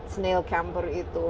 snail camper itu